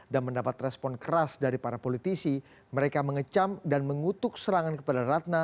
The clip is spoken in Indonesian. dan mendapat respon keras dari para politisi mereka mengecam dan mengutuk serangan kepada ratna